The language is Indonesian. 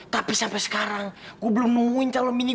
tapi sampai sekarang gua belum nungguin calon mini